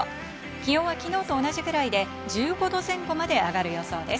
気温は昨日と同じくらいで１５度前後まで上がる予想です。